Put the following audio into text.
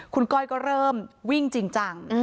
คุณก้อยก็เริ่มวิ่งจริงจัง